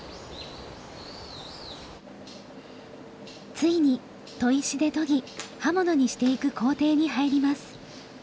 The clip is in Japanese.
ついに砥石で研ぎ刃物にしていく工程に入ります。